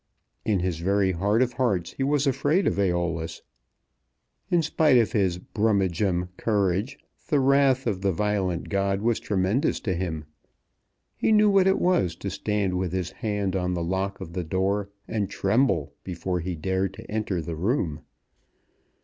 In his very heart of hearts he was afraid of Æolus. In spite of his "brummagem" courage the wrath of the violent god was tremendous to him. He knew what it was to stand with his hand on the lock of the door and tremble before he dared to enter the room.